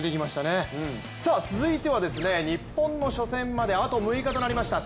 続いては日本の初戦まであと６日となりました